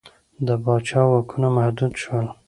د پاچا واکونه محدود شول.